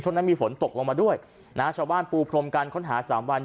นั้นมีฝนตกลงมาด้วยนะชาวบ้านปูพรมการค้นหาสามวัน